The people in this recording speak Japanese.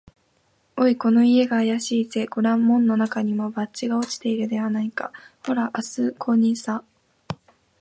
「おい、この家があやしいぜ。ごらん、門のなかにも、バッジが落ちているじゃないか。ほら、あすこにさ」